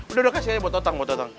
udah udah kasih aja buat otang buat otang